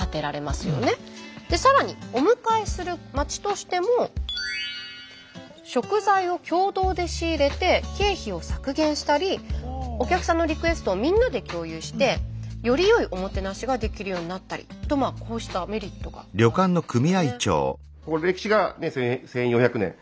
で更にお迎えする街としても食材を共同で仕入れて経費を削減したりお客さんのリクエストをみんなで共有してよりよいおもてなしができるようになったりとまあこうしたメリットがあるんですよね。